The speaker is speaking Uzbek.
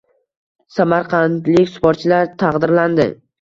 Samarqandlik sportchilar taqdirlandi